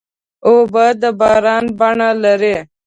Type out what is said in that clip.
اوبه د باران بڼه لري.